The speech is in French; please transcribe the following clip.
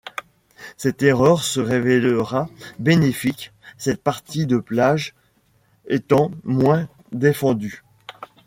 Cette erreur se révélera bénéfique, cette partie de plage étant moins défendue.